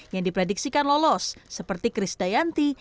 yang diprediksikan lolos seperti chris dayanti